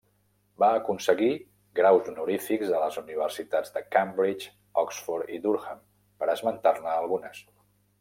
Va aconseguir graus honorífics de les universitats de Cambridge, Oxford i Durham, per esmentar-ne algunes.